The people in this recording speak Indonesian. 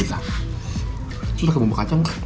tapi pakai bumbu kacang